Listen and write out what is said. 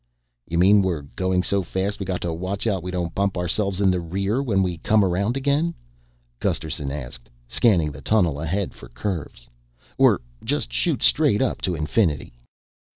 "You mean we're goin' so fast we got to watch out we don't bump ourselves in the rear when we come around again?" Gusterson asked, scanning the tunnel ahead for curves. "Or just shoot straight up to infinity?"